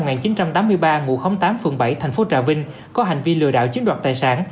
ngụ khóm tám phường bảy thành phố trà vinh có hành vi lừa đảo chiếm đoạt tài sản